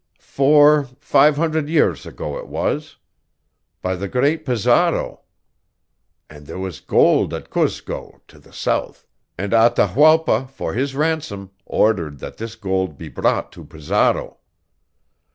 Four, five hundred years ago, it was. By the great Pizarro. And there was gold at Cuzco, to the south, and Atahualpa, for his ransom, ordered that this gold be brought to Pizarro.